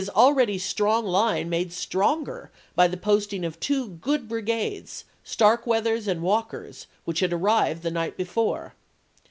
already strong line made stronger by the posting RosecrMiB, of two good brigades, Starkweather's and Walker's, voYxx.. which had arrived the night before.